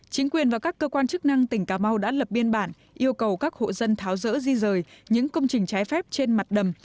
chính quyền và các cơ quan chức năng tỉnh cà mau đã lập biên bản yêu cầu các hộ dân tháo rỡ di rời những công trình trái phép trên mặt đầm